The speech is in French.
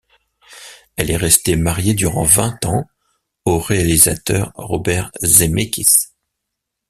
Elle est restée mariée durant vingt ans au réalisateur Robert Zemeckis.